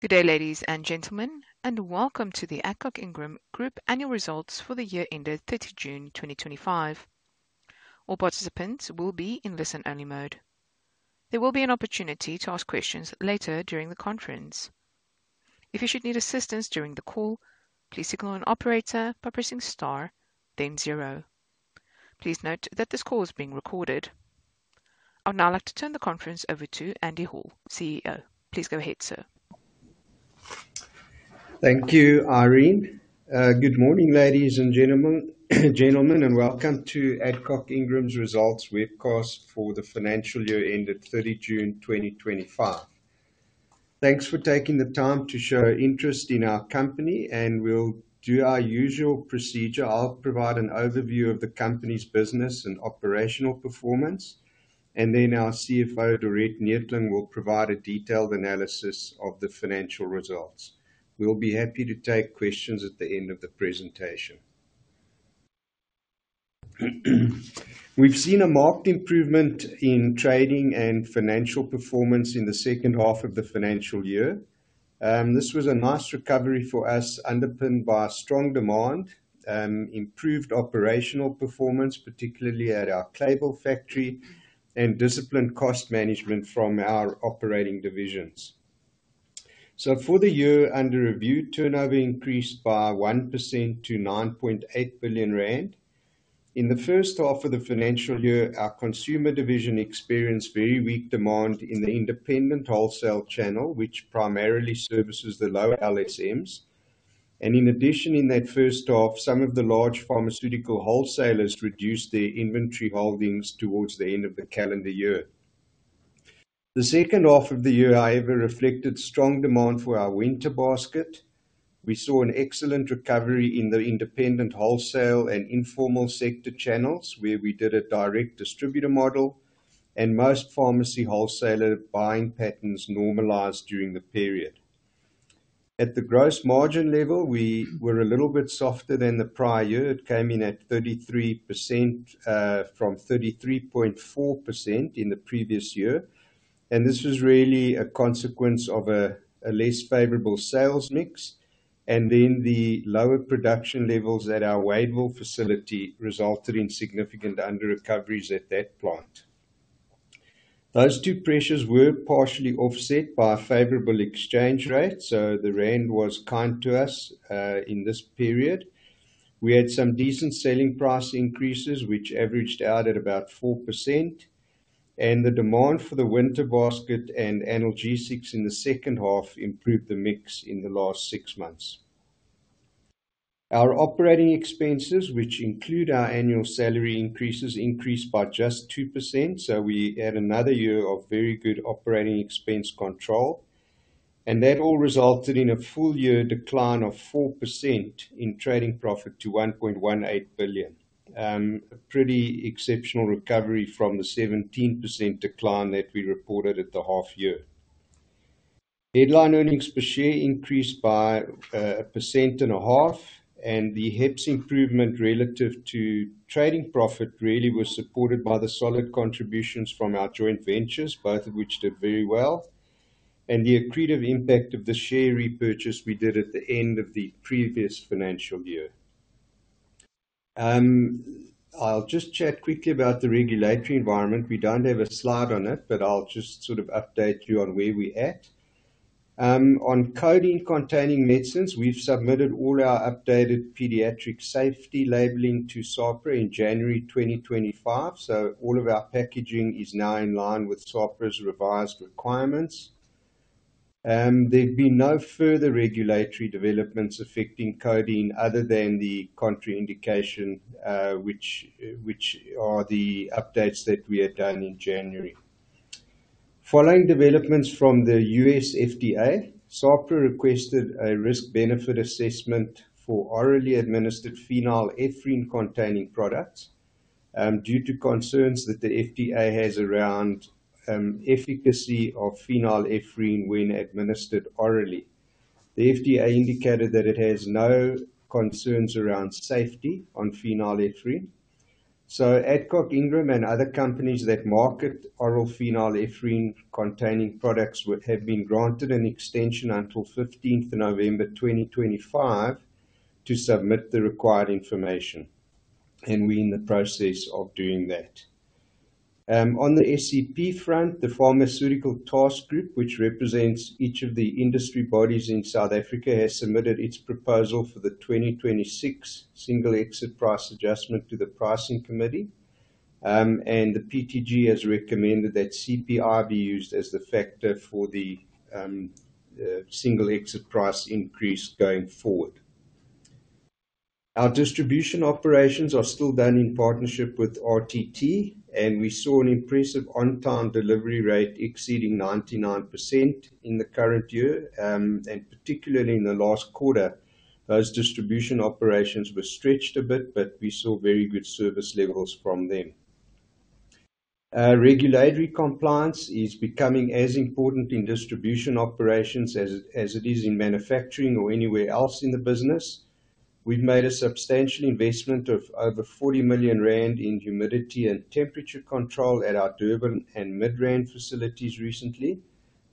Good day, ladies and gentlemen, and welcome to the Adcock Ingram Holdings Limited Group annual results for the year ended 30 June 2025. All participants will be in listen-only mode. There will be an opportunity to ask questions later during the conference. If you should need assistance during the call, please signal an operator by pressing star, then zero. Please note that this call is being recorded. I would now like to turn the conference over to Andrew Hall, CEO. Please go ahead, sir. Thank you, Irene. Good morning, ladies and gentlemen, and welcome to Adcock Ingram Holdings Limited's results webcast for the financial year ended 30 June 2025. Thanks for taking the time to show interest in our company, and we'll do our usual procedure. I'll provide an overview of the company's business and operational performance, and then our CFO, Dorette Neethling, will provide a detailed analysis of the financial results. We'll be happy to take questions at the end of the presentation. We've seen a marked improvement in trading and financial performance in the second half of the financial year. This was a nice recovery for us, underpinned by strong demand, improved operational performance, particularly at our Clayville factory, and disciplined cost management from our operating divisions. For the year under review, turnover increased by 1% to R9.8 billion. In the first half of the financial year, our consumer division experienced very weak demand in the independent wholesale channel, which primarily services the lower LSMs. In addition, in that first half, some of the large pharmaceutical wholesalers reduced their inventory holdings towards the end of the calendar year. The second half of the year, however, reflected strong demand for our winter basket. We saw an excellent recovery in the independent wholesale and informal sector channels, where we did a direct distributor model, and most pharmacy wholesaler buying patterns normalized during the period. At the gross margin level, we were a little bit softer than the prior year. It came in at 33% from 33.4% in the previous year, and this was really a consequence of a less favorable sales mix. The lower production levels at our Wadeville facility resulted in significant under-recoveries at that plant. Those two pressures were partially offset by a favorable exchange rate, so the rand was kind to us in this period. We had some decent selling price increases, which averaged out at about 4%, and the demand for the winter basket and analgesics in the second half improved the mix in the last six months. Our operating expenses, which include our annual salary increases, increased by just 2%, so we had another year of very good operating expense control, and that all resulted in a full-year decline of 4% in trading profit to R1.18 billion. A pretty exceptional recovery from the 17% decline that we reported at the half-year. Headline earnings per share increased by 1.5%, and the HEPS improvement relative to trading profit really was supported by the solid contributions from our joint ventures, both of which did very well, and the accretive impact of the share repurchase we did at the end of the previous financial year. I'll just chat quickly about the regulatory environment. We don't have a slide on it, but I'll just sort of update you on where we're at. On codeine-containing medicines, we've submitted all our updated pediatric safety labeling to SAHPRA in January 2025, so all of our packaging is now in line with SAHPRA's revised requirements. There have been no further regulatory developments affecting codeine other than the contraindication, which are the updates that we had done in January. Following developments from the U.S. FDA, SAHPRA requested a risk-benefit assessment for orally administered phenylephrine-containing products due to concerns that the FDA has around efficacy of phenylephrine when administered orally. The FDA indicated that it has no concerns around safety on phenylephrine. Adcock Ingram and other companies that market oral phenylephrine-containing products have been granted an extension until November 15, 2025 to submit the required information, and we're in the process of doing that. On the SEP front, the Pharmaceutical Task Group, which represents each of the industry bodies in South Africa, has submitted its proposal for the 2026 single-exit price adjustment to the pricing committee, and the PTG has recommended that CPI be used as the factor for the single-exit price increase going forward. Our distribution operations are still done in partnership with RTT, and we saw an impressive on-time delivery rate exceeding 99% in the current year, and particularly in the last quarter, those distribution operations were stretched a bit, but we saw very good service levels from them. Regulatory compliance is becoming as important in distribution operations as it is in manufacturing or anywhere else in the business. We've made a substantial investment of over R 40 million in humidity and temperature control at our Durban and Midrand facilities recently,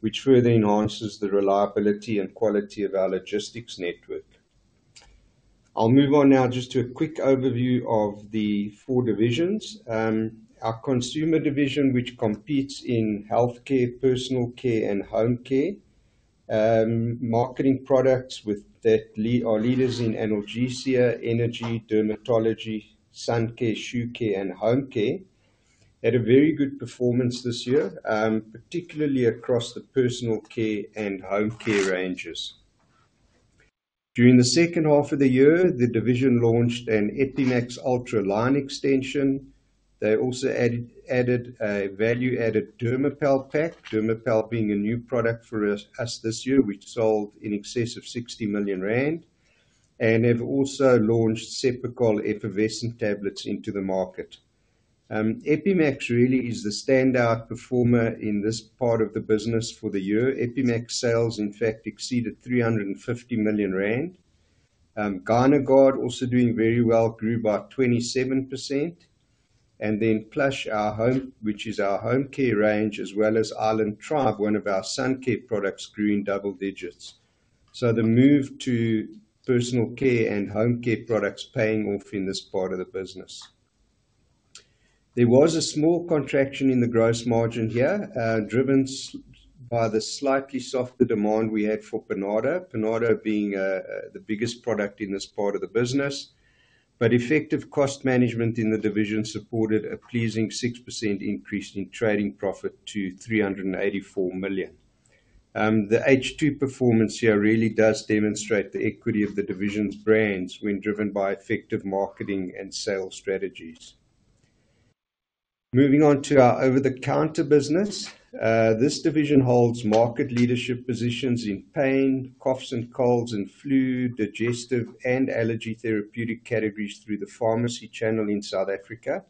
which further enhances the reliability and quality of our logistics network. I'll move on now just to a quick overview of the four divisions. Our consumer division, which competes in healthcare, personal care, and home care, marketing products with our leaders in analgesia, energy, dermatology, sun care, shoe care, and home care, had a very good performance this year, particularly across the personal care and home care ranges. During the second half of the year, the division launched an Epi-Max Ultra line extension. They also added a value-added Dermopal pack, Dermopal being a new product for us this year, which sold in excess of R60 million, and they've also launched Cepacol Effervescent tablets into the market. Epi-Max really is the standout performer in this part of the business for the year. Epi-Max sales, in fact, exceeded R350 million. GynaGuard, also doing very well, grew by 27%. Plush, which is our home care range, as well as Island Tribe, one of our sun care products, grew in double digits. The move to personal care and home care products is paying off in this part of the business. There was a small contraction in the gross margin here, driven by the slightly softer demand we had for Panado, Panado being the biggest product in this part of the business. Effective cost management in the division supported a pleasing 6% increase in trading profit to R384 million. The H2 performance here really does demonstrate the equity of the division's brands when driven by effective marketing and sales strategies. Moving on to our over-the-counter business, this division holds market leadership positions in pain, coughs and colds, and flu, digestive, and allergy therapeutic categories through the pharmacy channel in South Africa.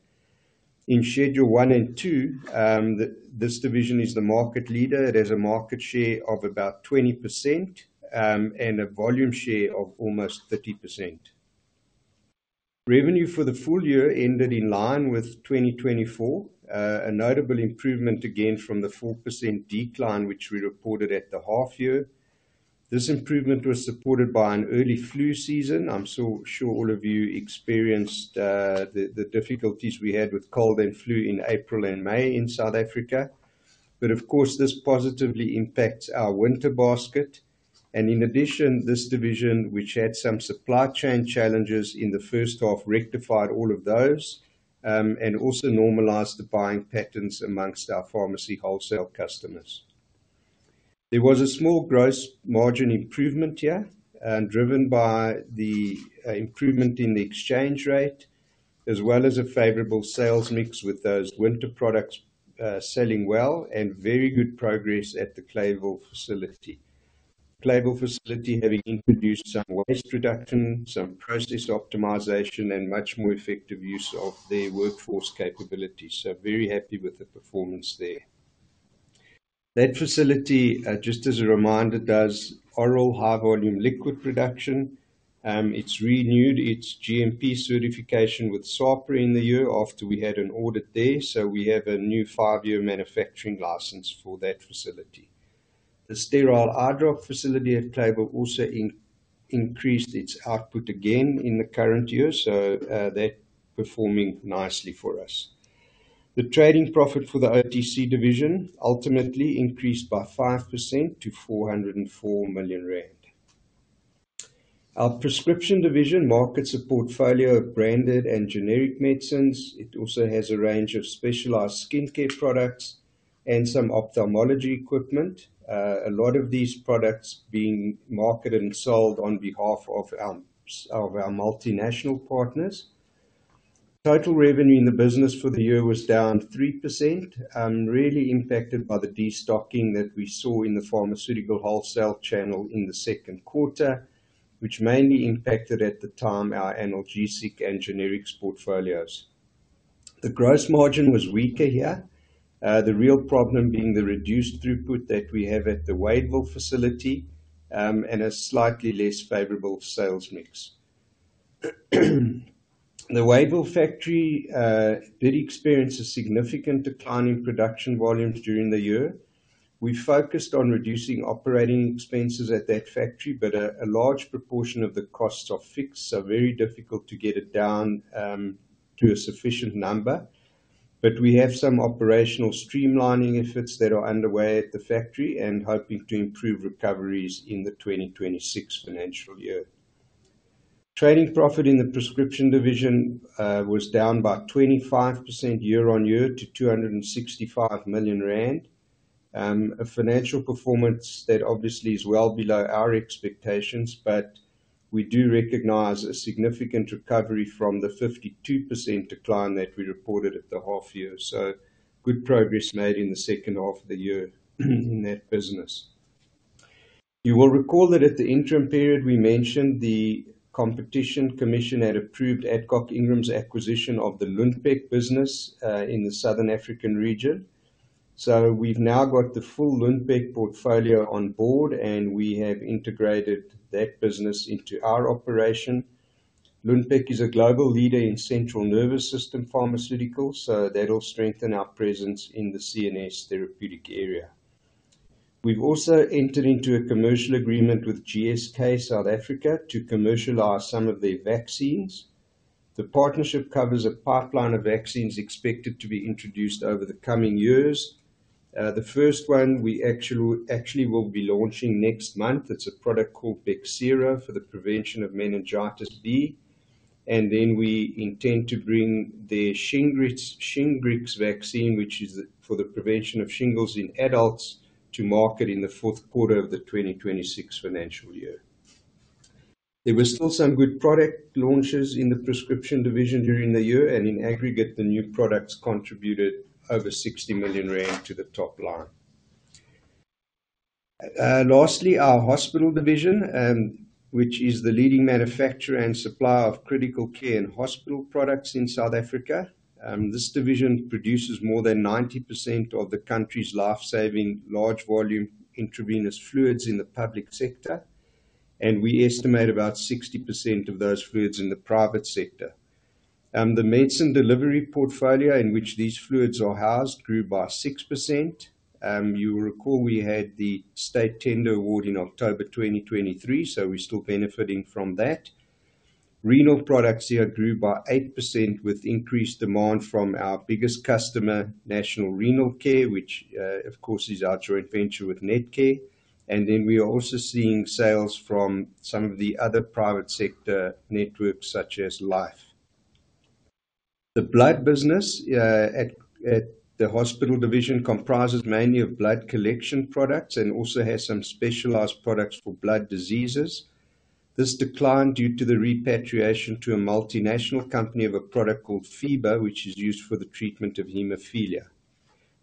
In Schedule 1 and 2, this division is the market leader. It has a market share of about 20% and a volume share of almost 30%. Revenue for the full year ended in line with 2024, a notable improvement again from the 4% decline which we reported at the half-year. This improvement was supported by an early flu season. I'm sure all of you experienced the difficulties we had with cold and flu in April and May in South Africa. This positively impacts our winter basket. In addition, this division, which had some supply chain challenges in the first half, rectified all of those and also normalized the buying patterns amongst our pharmacy wholesale customers. There was a small gross margin improvement here, driven by the improvement in the exchange rate, as well as a favorable sales mix with those winter products selling well and very good progress at the Clayville facility. The Clayville facility having introduced some waste reduction, some process optimization, and much more effective use of their workforce capabilities. Very happy with the performance there. That facility, just as a reminder, does oral high-volume liquid production. It's renewed its GMP certification with SAHPRA in the year after we had an audit there, so we have a new five-year manufacturing license for that facility. The sterile eyedrop facility at Clayville also increased its output again in the current year, so that's performing nicely for us. The trading profit for the OTC division ultimately increased by 5% to R404 million. Our prescription division markets a portfolio of branded and generic medicines. It also has a range of specialized skincare products and some ophthalmology equipment, the real problem being the reduced throughput that we have at the Wadeville facility and a slightly less favorable sales mix. The Wadeville factory did experience a significant decline in production volumes during the year. We focused on reducing operating expenses at that factory, but a large proportion of the costs are fixed, so very difficult to get it down to a sufficient number. We have some operational streamlining efforts that are underway at the factory and hoping to improve recoveries in the 2026 financial year. Trading profit in the prescription division was down by 25% year-on-year to R265 million. A financial performance that obviously is well below our expectations, but we do recognize a significant recovery from the 52% decline that we reported at the half-year. Good progress made in the second half of the year in that business. You will recall that at the interim period we mentioned the Competition Commission had approved Adcock Ingram's acquisition of the Lundbeck business in the Southern African region. We have now got the full Lundbeck portfolio on board, and we have integrated that business into our operation. Lundbeck is a global leader in central nervous system pharmaceuticals, so that will strengthen our presence in the CNS therapeutic area. We have also entered into a commercial agreement with GSK South Africa to commercialize some of their vaccines. The partnership covers a pipeline of vaccines expected to be introduced over the coming years. The first one we actually will be launching next month. It's a product called Bexsero for the prevention of meningitis B, and we intend to bring their Shingrix vaccine, which is for the prevention of shingles in adults, to market in the fourth quarter of the 2026 financial year. There were still some good product launches in the prescription division during the year, and in aggregate, the new products contributed over R60 million to the top line. Lastly, our hospital division, which is the leading manufacturer and supplier of critical care and hospital products in South Africa, produces more than 90% of the country's life-saving large volume intravenous fluids in the public sector, and we estimate about 60% of those fluids in the private sector. The medicine delivery portfolio in which these fluids are housed grew by 6%. You will recall we had the state tender award in October 2023, so we are still benefiting from that. Renal products here grew by 8% with increased demand from our biggest customer, National Renal Care, which is our joint venture with Netcare. We are also seeing sales from some of the other private sector networks such as Life. The blood business at the hospital division comprises mainly blood collection products and also has some specialized products for blood diseases. This declined due to the repatriation to a multinational company of a product called FEIBA, which is used for the treatment of hemophilia.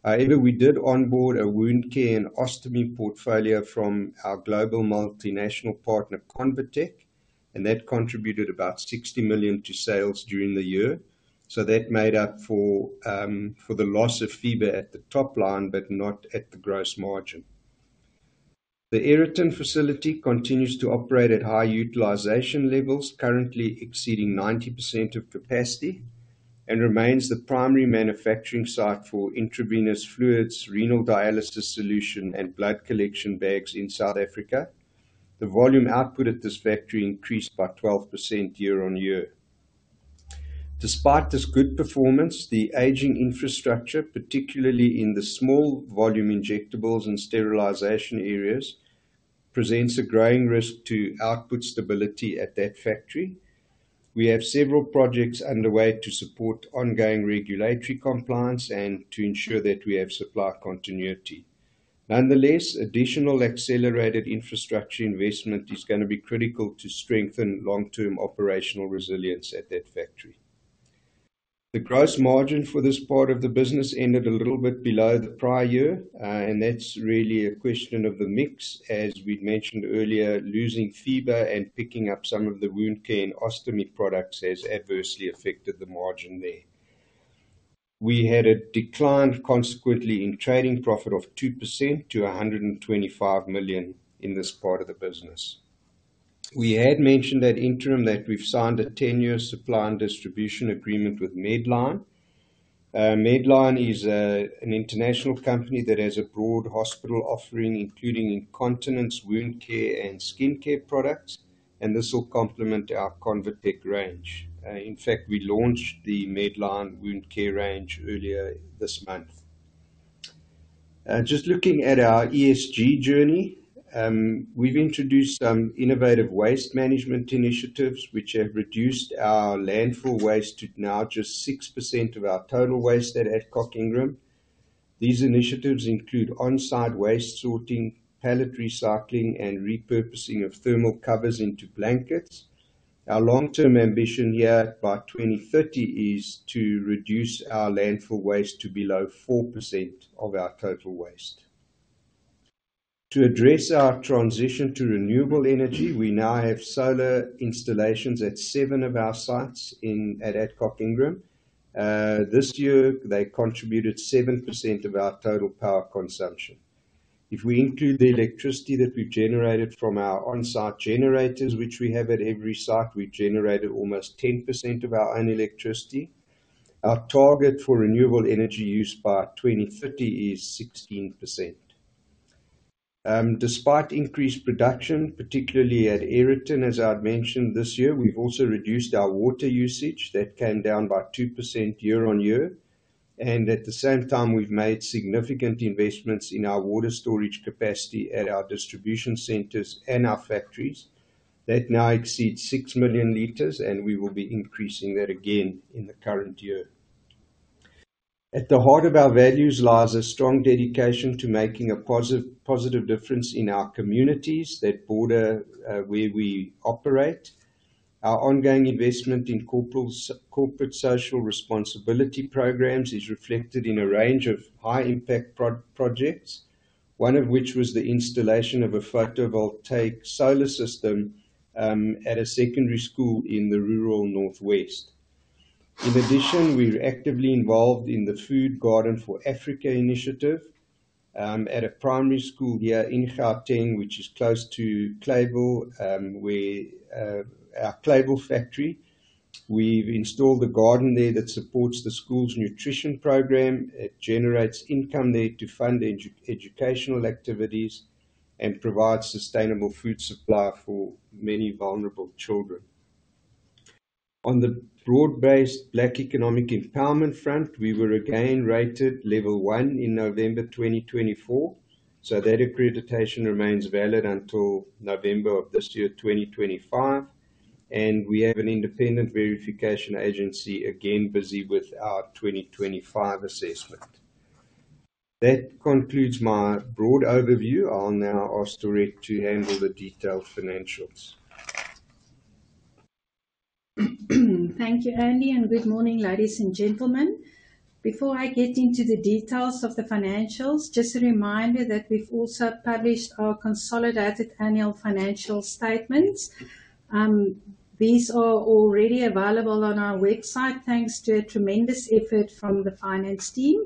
However, we did onboard a wound care and ostomy portfolio from our global multinational partner, ConvaTec, and that contributed about R60 million to sales during the year. That made up for the loss of FEIBA at the top line, but not at the gross margin. The Aeroton facility continues to operate at high utilization levels, currently exceeding 90% of capacity, and remains the primary manufacturing site for intravenous fluids, renal dialysis solution, and blood collection bags in South Africa. The volume output at this factory increased by 12% year-on-year. Despite this good performance, the aging infrastructure, particularly in the small volume injectables and sterilization areas, presents a growing risk to output stability at that factory. We have several projects underway to support ongoing regulatory compliance and to ensure that we have supply continuity. Nonetheless, additional accelerated infrastructure investment is going to be critical to strengthen long-term operational resilience at that factory. The gross margin for this part of the business ended a little bit below the prior year, and that's really a question of the mix, as we'd mentioned earlier, losing FEIBA and picking up some of the wound care and ostomy products has adversely affected the margin there. We had a decline consequently in trading profit of 2% to R125 million in this part of the business. We had mentioned at interim that we've signed a 10-year supply and distribution agreement with Medline. Medline is an international company that has a broad hospital offering, including incontinence, wound care, and skincare products, and this will complement our ConvaTec range. In fact, we launched the Medline wound care range earlier this month. Just looking at our ESG journey, we've introduced some innovative waste management initiatives, which have reduced our landfill waste to now just 6% of our total waste at Adcock Ingram. These initiatives include onsite waste sorting, pallet recycling, and repurposing of thermal covers into blankets. Our long-term ambition here by 2030 is to reduce our landfill waste to below 4% of our total waste. To address our transition to renewable energy, we now have solar installations at seven of our sites at Adcock Ingram. This year, they contributed 7% of our total power consumption. If we include the electricity that we've generated from our onsite generators, which we have at every site, we've generated almost 10% of our own electricity. Our target for renewable energy use by 2030 is 16%. Despite increased production, particularly at Aeroton, as I'd mentioned, this year, we've also reduced our water usage. That came down by 2% year-on-year. At the same time, we've made significant investments in our water storage capacity at our distribution centers and our factories. That now exceeds 6 million liters, and we will be increasing that again in the current year. At the heart of our values lies a strong dedication to making a positive difference in our communities that border where we operate. Our ongoing investment in corporate social responsibility programs is reflected in a range of high-impact projects, one of which was the installation of a photovoltaic solar system at a secondary school in the rural northwest. In addition, we're actively involved in the Food Garden for Africa initiative at a primary school here in Gauteng, which is close to Clayville, our Clayville factory. We've installed a garden there that supports the school's nutrition program. It generates income there to fund educational activities and provides sustainable food supply for many vulnerable children. On the broad-based Black Economic Empowerment front, we were again rated Level 1 in November 2024, so that accreditation remains valid until November of this year, 2025. We have an independent verification agency again busy with our 2025 assessment. That concludes my broad overview. I'll now ask Dorette to handle the detailed financials. Thank you, Andy, and good morning, ladies and gentlemen. Before I get into the details of the financials, just a reminder that we've also published our consolidated annual financial statements. These are already available on our website, thanks to a tremendous effort from the finance team.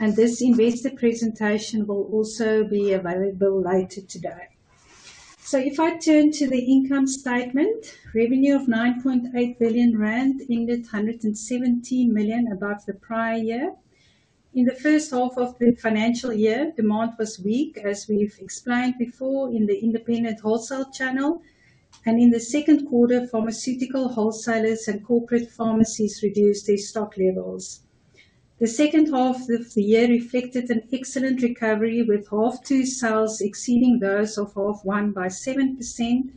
This investor presentation will also be available later today. If I turn to the income statement, revenue of R9.8 billion ended R117 million above the prior year. In the first half of the financial year, demand was weak, as we've explained before, in the independent wholesale channel. In the second quarter, pharmaceutical wholesalers and corporate pharmacies reduced their stock levels. The second half of the year reflected an excellent recovery, with half-year sales exceeding those of half-year one by 7%,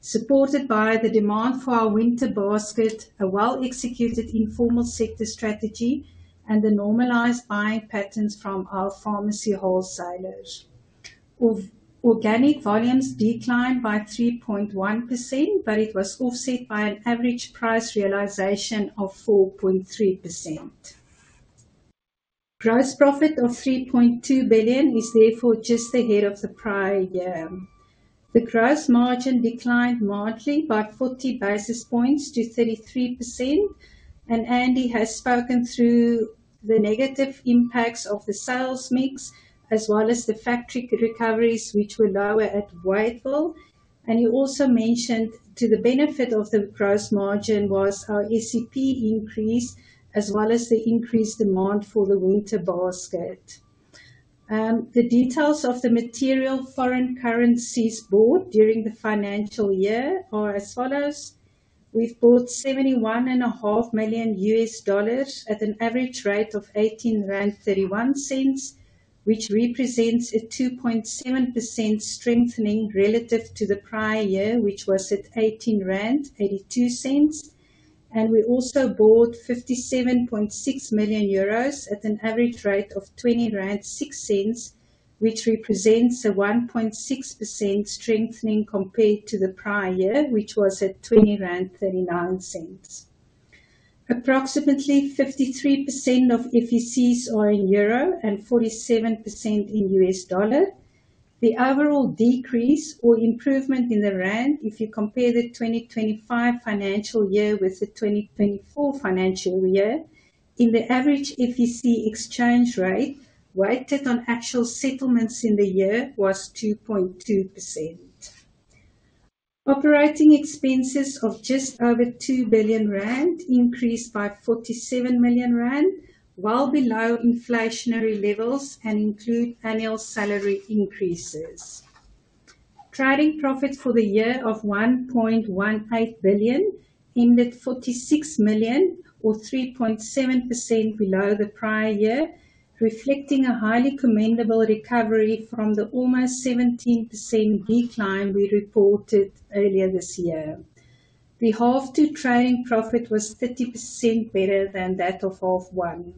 supported by the demand for our winter basket, a well-executed informal sector strategy, and the normalized buying patterns from our pharmacy wholesalers. Organic volumes declined by 3.1%, but it was offset by an average price realization of 4.3%. Gross profit of R3.2 billion is therefore just ahead of the prior year. The gross margin declined marginally by 40 basis points to 33%. Andy has spoken through the negative impacts of the sales mix, as well as the factory recoveries, which were lower at Wadeville. He also mentioned the benefit to the gross margin was how Epi-max increased, as well as the increased demand for the winter basket. The details of the material foreign currencies bought during the financial year are as follows: we've bought $71.5 million at an average rate of R18.31, which represents a 2.7% strengthening relative to the prior year, which was at R18.82. We also bought €57.6 million at an average rate of R 20.06, which represents a 1.6% strengthening compared to the prior year, which was at R20.39. Approximately 53% of FECs are in euro and 47% in U.S. dollar. The overall decrease or improvement in the rand if you compare the 2025 financial year with the 2024 financial year, in the average FEC exchange rate weighted on actual settlements in the year was 2.2%. Operating expenses of just over R2 billion increased by R47 million, well below inflationary levels, and include annual salary increases. Trading profit for the year of R1.18 billion ended R46 million, or 3.7% below the prior year, reflecting a highly commendable recovery from the almost 17% decline we reported earlier this year. The half-year trading profit was 30% better than that of half-year one.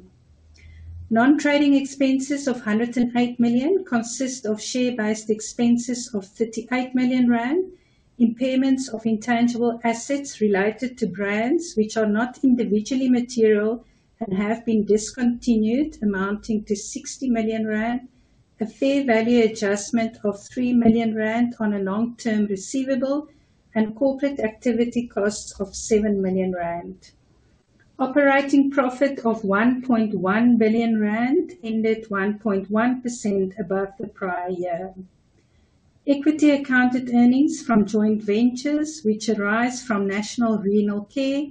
Non-trading expenses of R108 million consist of share-based expenses of R 38 million, impairments of intangible assets related to brands which are not individually material and have been discontinued, amounting to R60 million, a fair value adjustment of R3 million on a long-term receivable, and corporate activity costs of R7 million. Operating profit of R1.1 billion ended 1.1% above the prior year. Equity accounted earnings from joint ventures, which arise from National Renal Care,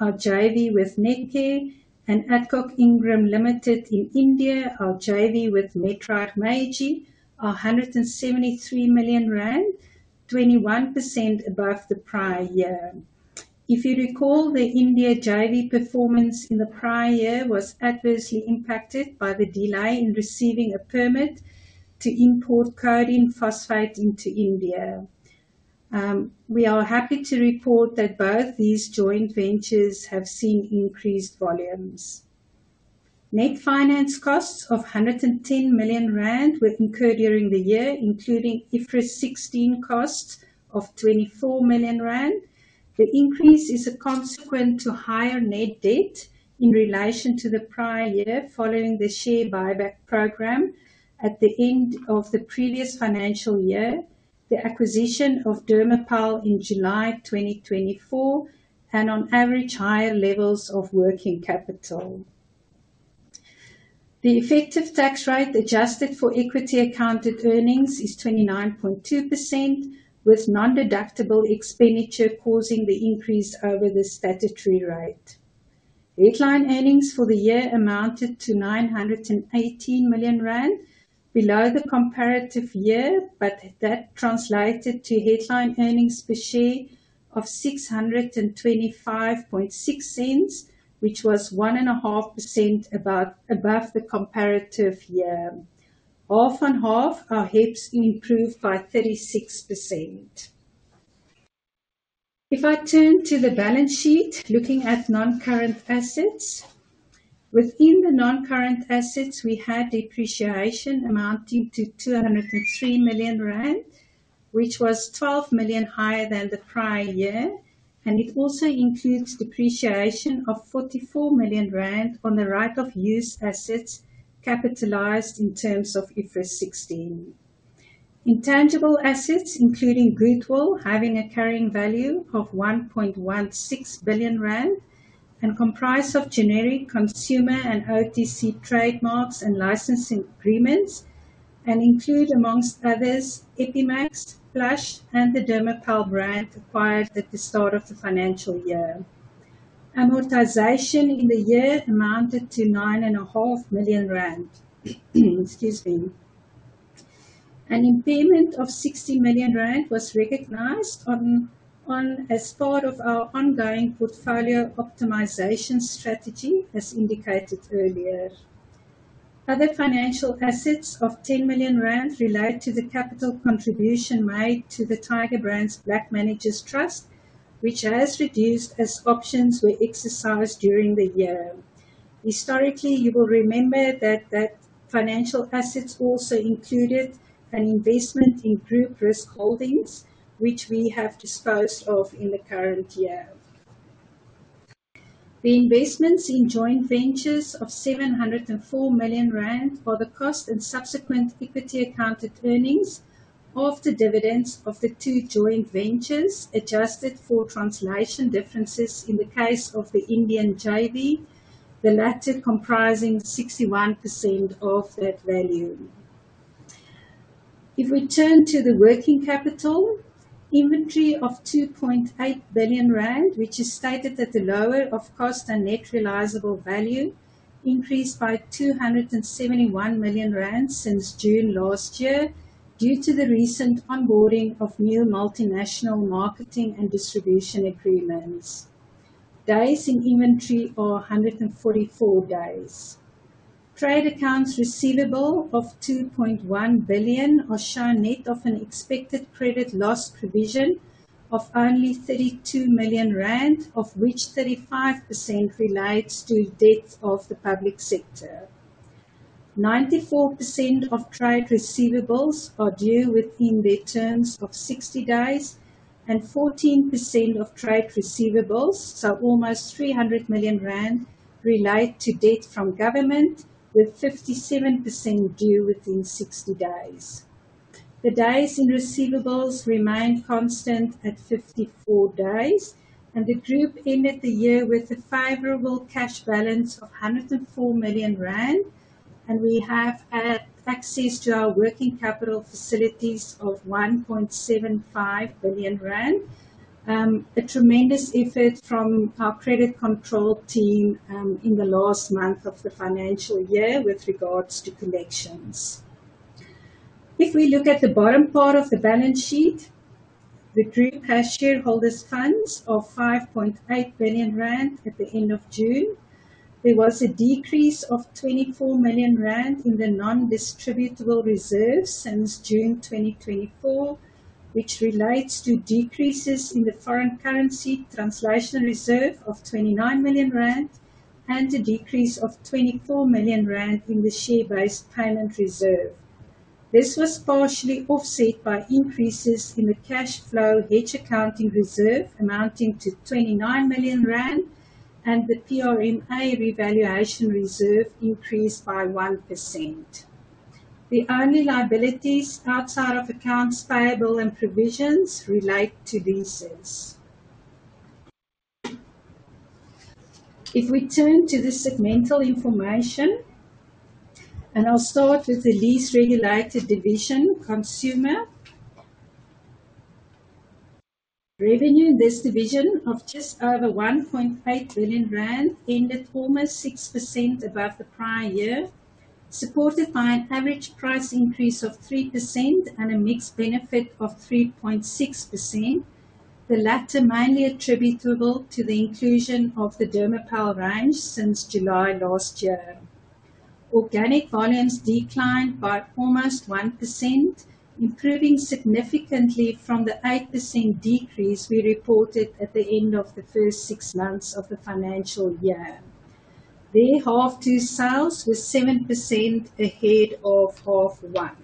our JV with Netcare, and Adcock Ingram Limited in India, our JV with Medreich Meiji, are R173 million, 21% above the prior year. If you recall, the India JV performance in the prior year was adversely impacted by the delay in receiving a permit to import codeine phosphate into India. We are happy to report that both these joint ventures have seen increased volumes. Net finance costs of R110 million were incurred during the year, including IFRS 16 costs of R24 million. The increase is a consequence of higher net debt in relation to the prior year following the share repurchase program at the end of the previous financial year, the acquisition of Dermopal in July 2024, and on average higher levels of working capital. The effective tax rate adjusted for equity accounted earnings is 29.2%, with non-deductible expenditure causing the increase over the statutory rate. Headline earnings for the year amounted to R918 million, below the comparative year, but that translated to headline earnings per share of R6.256, which was 1.5% above the comparative year. Half and half are HEPS improved by 36%. If I turn to the balance sheet, looking at non-current assets, within the non-current assets, we had depreciation amounting to R203 million, which was 12 million higher than the prior year. It also includes depreciation of R44 million on the right of use assets capitalized in terms of IFRS 16. Intangible assets, including goodwill, having a carrying value of R1.16 billion and comprised of generic consumer and OTC trademarks and licensing agreements, and include amongst others Epi-Max, Flush, and the Dermopal brand acquired at the start of the financial year. Amortization in the year amounted to R9.5 million. An impairment of R60 million was recognized as part of our ongoing portfolio optimization strategy, as indicated earlier. Other financial assets of R10 million relate to the capital contribution made to the Tiger Brands Black Managers Trust, which has reduced as options were exercised during the year. Historically, you will remember that financial assets also included an investment in Group Risk Holdings, which we have disposed of in the current year. The investments in joint ventures of R704 million are the cost and subsequent equity-accounted earnings of the dividends of the two joint ventures, adjusted for translation differences in the case of the Indian JV, the latter comprising 61% of that value. If we turn to the working capital, inventory of R2.8 billion, which is stated at the lower of cost and net realizable value, increased by R271 million since June last year due to the recent onboarding of new multinational marketing and distribution agreements. Days in inventory are 144 days. Trade accounts receivable of R2.1 billion are shown net of an expected credit loss provision of only R32 million, of which 35% relates to debts of the public sector. 94% of trade receivables are due within their terms of 60 days, and 14% of trade receivables, so almost R300 million, relate to debt from government, with 57% due within 60 days. The days in receivables remain constant at 54 days, and the group ended the year with a favorable cash balance of R104 million, and we have had access to our working capital facilities of R1.75 billion, a tremendous effort from our credit control team in the last month of the financial year with regards to collections. If we look at the bottom part of the balance sheet, the group has shareholders' funds of R5.8 billion at the end of June. There was a decrease of R24 million in the non-distributable reserves since June 2024, which relates to decreases in the foreign currency translation reserve of R29 million and a decrease of R24 million in the share-based payment reserve. This was partially offset by increases in the cash flow hedge accounting reserve amounting to R29 million, and the PRNI revaluation reserve increased by 1%. The only liabilities outside of accounts payable and provisions relate to visas. If we turn to the segmental information, and I'll start with the least regulated division, consumer. Revenue in this division of just over R1.8 billion ended almost 6% above the prior year, supported by an average price increase of 3% and a mix benefit of 3.6%, the latter mainly attributable to the inclusion of the Dermopal range since July last year. Organic volumes declined by almost 1%, improving significantly from the 8% decrease we reported at the end of the first six months of the financial year. Their half-year sales were 7% ahead of half-year one.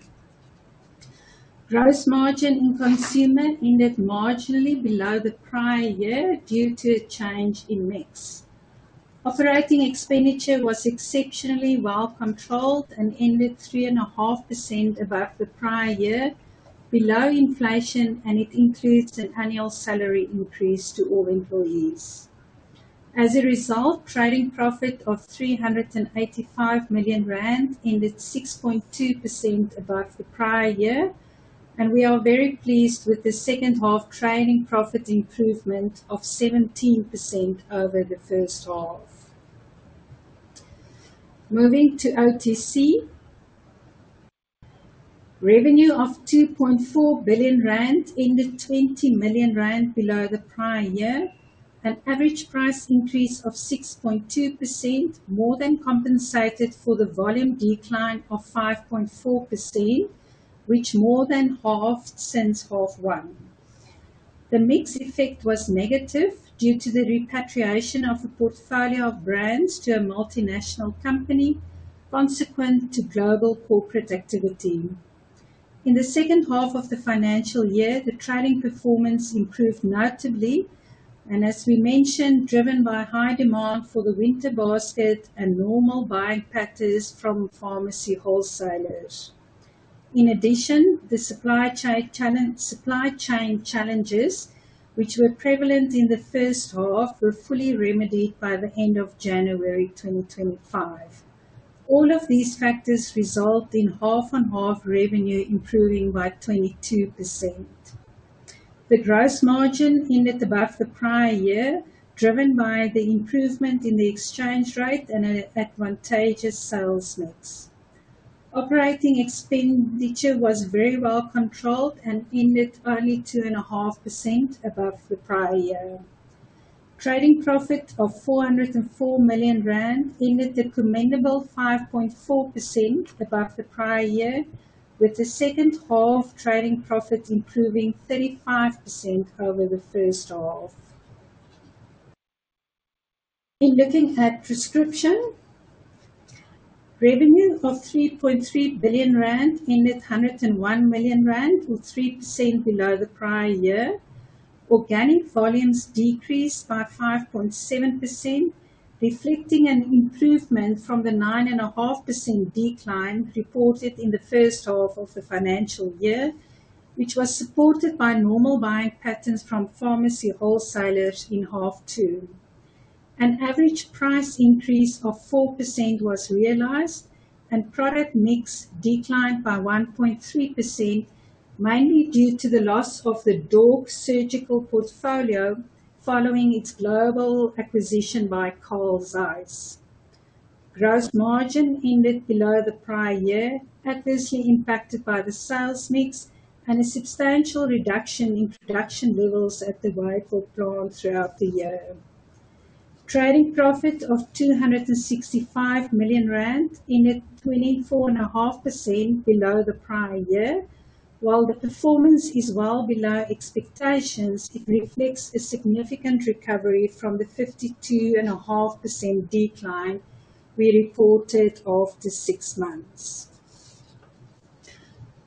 Gross margin in Consumer ended marginally below the prior year due to a change in mix. Operating expenditure was exceptionally well controlled and ended 3.5% above the prior year, below inflation, and it includes an annual salary increase to all employees. As a result, trading profit of R385 million ended 6.2% above the prior year, and we are very pleased with the second half trading profit improvement of 17% over the first half. Moving to OTC, revenue of R2.4 billion ended R20 million below the prior year. An average price increase of 6.2% more than compensated for the volume decline of 5.4%, which more than halved since half-year one. The mix effect was negative due to the repatriation of a portfolio of brands to a multinational company, consequent to global corporate activity. In the second half of the financial year, the trading performance improved notably, driven by high demand for the winter basket and normal buying patterns from pharmacy wholesalers. In addition, the supply chain challenges, which were prevalent in the first half, were fully remedied by the end of January 2025. All of these factors resulted in half-on-half revenue improving by 22%. The gross margin ended above the prior year, driven by the improvement in the exchange rate and an advantageous sales mix. Operating expenditure was very well controlled and ended only 2.5% above the prior year. Trading profit of R404 million ended at a commendable 5.4% above the prior year, with the second half trading profit improving 35% over the first half. In looking at Prescription, revenue of R3.3 billion ended R101 million, or 3%, below the prior year. Organic volumes decreased by 5.7%, reflecting an improvement from the 9.5% decline reported in the first half of the financial year, which was supported by normal buying patterns from pharmacy wholesalers in half-year two. An average price increase of 4% was realized, and product mix declined by 1.3%, mainly due to the loss of the DORC surgical portfolio following its global acquisition by Carl Zeiss. Gross margin ended below the prior year, adversely impacted by the sales mix, and a substantial reduction in production levels at the Wadeville plant throughout the year. Trading profit of R 265 million ended 24.5% below the prior year. While the performance is well below expectations, it reflects a significant recovery from the 52.5% decline we reported over the six months.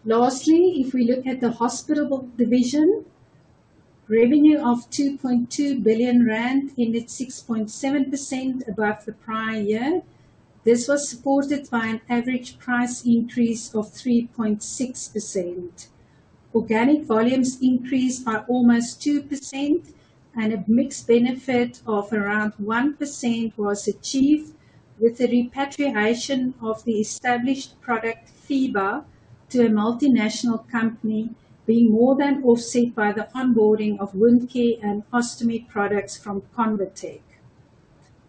Lastly, if we look at the hospital division, revenue of R 2.2 billion ended 6.7% above the prior year. This was supported by an average price increase of 3.6%. Organic volumes increased by almost 2%, and a mix benefit of around 1% was achieved with the repatriation of the established product FEIBA to a multinational company, being more than offset by the onboarding of wound care and ostomy products from ConvaTec.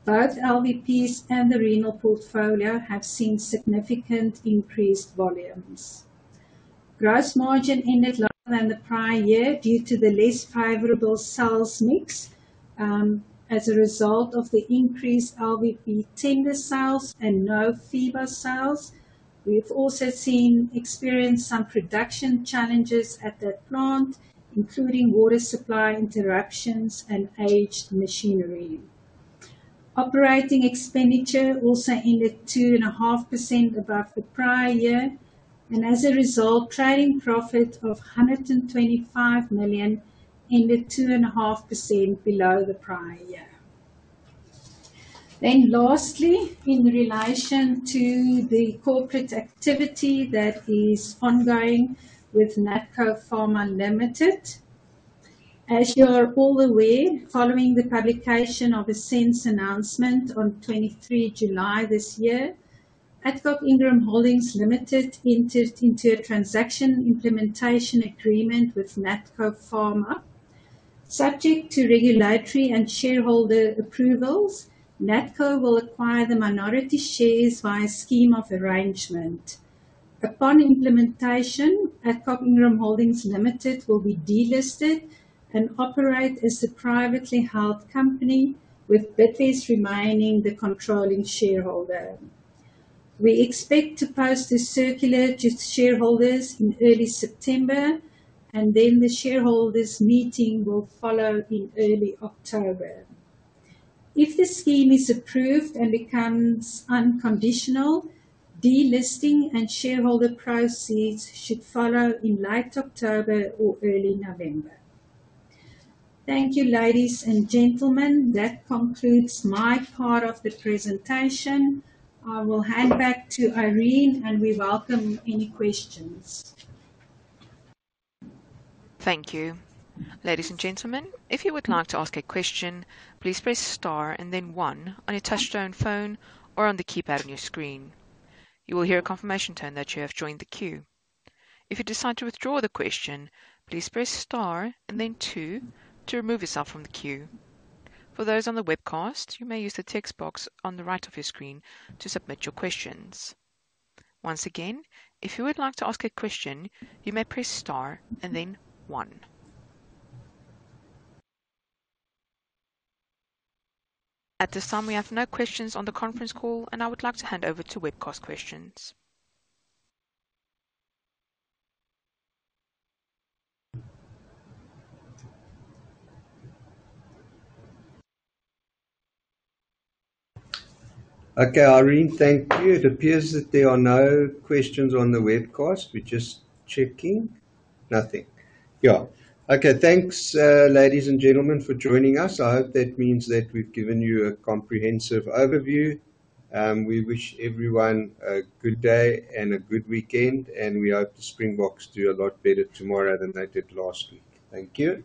Both large volume parenterals and the renal portfolio have seen significant increased volumes. Gross margin ended lower than the prior year due to the less favorable sales mix. As a result of the increased large volume parenteral tender sales and no FEIBA sales, we've also experienced some production challenges at that plant, including water supply interruptions and aged machinery. Operating expenditure also ended 2.5% above the prior year, and as a result, trading profit of R125 million ended 2.5% below the prior year. Lastly, in relation to the corporate activity that is ongoing with Natco Pharma Ltd. As you are all aware, following the publication of a sales announcement on 23 July this year, Adcock Ingram Holdings Limited entered into a transaction implementation agreement with Natco Pharma Ltd. Subject to regulatory and shareholder approvals, Natco will acquire the minority shares via scheme of arrangement. Upon implementation, Adcock Ingram Holdings Limited will be delisted and operate as a privately held company, with Bidvest remaining the controlling shareholder. We expect to post this circular to shareholders in early September, and the shareholders' meeting will follow in early October. If the scheme is approved and becomes unconditional, delisting and shareholder processes should follow in late October or early November. Thank you, ladies and gentlemen. That concludes my part of the presentation. I will hand back to Irene, and we welcome any questions. Thank you. Ladies and gentlemen, if you would like to ask a question, please press star and then one on your touch-tone phone or on the keypad on your screen. You will hear a confirmation tone that you have joined the queue. If you decide to withdraw the question, please press star and then two to remove yourself from the queue. For those on the webcast, you may use the text box on the right of your screen to submit your questions. Once again, if you would like to ask a question, you may press star and then one. At this time, we have no questions on the conference call, and I would like to hand over to webcast questions. Okay, Irene, thank you. It appears that there are no questions on the webcast. We're just checking. Nothing. Okay, thanks, ladies and gentlemen, for joining us. I hope that means that we've given you a comprehensive overview. We wish everyone a good day and a good weekend, and we hope the Springboks do a lot better tomorrow than they did last week. Thank you.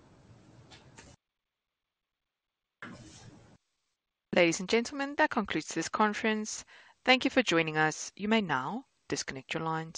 Ladies and gentlemen, that concludes this conference. Thank you for joining us. You may now disconnect your lines.